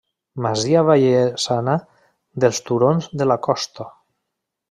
Masia vallesana dels turons de la Costa.